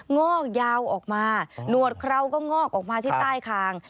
งอกยาวออกมาหนวดเคราก็งอกออกมาที่ใต้คาง